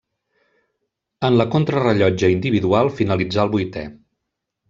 En la contrarellotge individual finalitzà el vuitè.